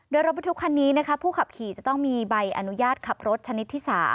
โดยรถบรรทุกคันนี้ผู้ขับขี่จะต้องมีใบอนุญาตขับรถชนิดที่๓